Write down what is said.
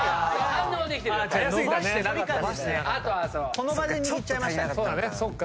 その場で握っちゃいましたね。